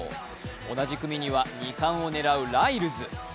同じ組には２冠を狙うライルズ。